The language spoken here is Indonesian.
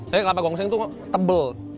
tapi kelapa gongseng tuh tebel